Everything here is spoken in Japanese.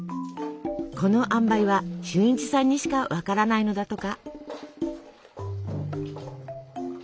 このあんばいは俊一さんにしか分からないのだとか。